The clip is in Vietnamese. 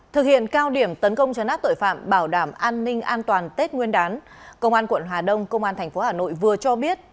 thực hiện cao điểm tấn công chấn áp tội phạm bảo đảm an ninh an toàn tết nguyên đán công an quận hà đông công an tp hà nội vừa cho biết